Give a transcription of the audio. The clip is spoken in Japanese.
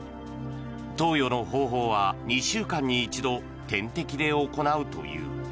投与の方法は２週間に一度点滴で行うという。